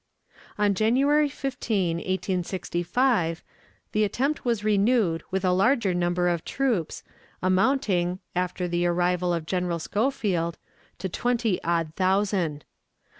On January 15, 1865, the attempt was renewed with a larger number of troops, amounting, after the arrival of General Schofield, to twenty odd thousand.